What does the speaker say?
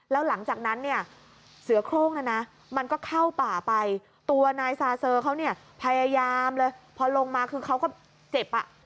แล้วหลังจากนั้นเนี่ยเสือโครงนะนะมันก็เข้าป่าไปตัวนายซาเซอร์เขาเนี่ยพยายามเลยพอลงมาคือเขาก็เจ็บอ่ะ